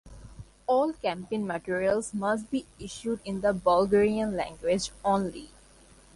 All campaign materials must be issued in the Bulgarian language only.